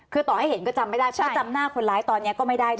คือต่อให้เห็นก็จำไม่ได้เพราะจำหน้าคนร้ายตอนนี้ก็ไม่ได้นะ